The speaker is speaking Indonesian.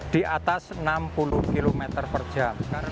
diatas enam puluh km per jam